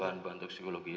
bahan bahan toksikologi ya